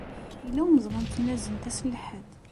Yella umeẓlu n tnazent ass n lḥedd?